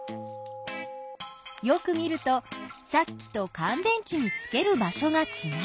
よく見るとさっきとかん電池につける場しょがちがう。